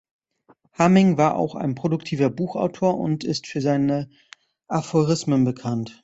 Hamming war auch ein produktiver Buchautor und ist für seine Aphorismen bekannt.